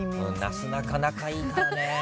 なすなか仲いいからね。